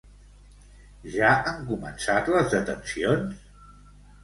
Ja han començat les detencions?